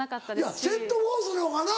いやセント・フォースの方がな。